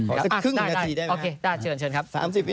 อ่ะได้ได้ไหมครับโอเคได้เชิญครับ